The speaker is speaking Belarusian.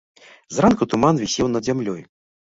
Зранку туман вісеў над зямлёй.